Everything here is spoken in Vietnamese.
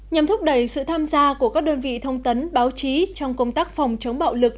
nhằm thúc đẩy sự tham gia của các đơn vị thông tấn báo chí trong công tác phòng chống bạo lực